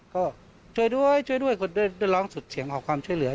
ก็ช่วยด้วยช่วยด้วยก็ได้ร้องสุดเสียงขอความช่วยเหลือ